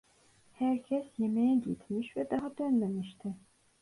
Herkes yemeğe gitmiş ve daha dönmemişti.